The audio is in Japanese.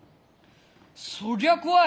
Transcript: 「そりゃ怖い。